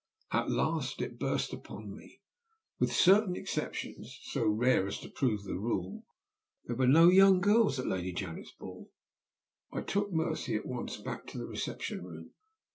At last it burst upon me. With certain exceptions (so rare as to prove the rule), there were no young girls at Lady Janet's ball. I took Mercy at once back to the reception room.